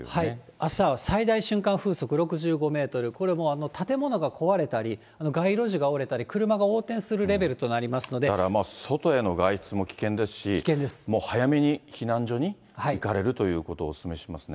あしたは最大瞬間風速６５メートル、これ、もう建物が壊れたり、街路樹が折れたり車が横転するレベルとなりだから外への外出も危険ですし、もう早めに避難所に行かれるということをお勧めしますね。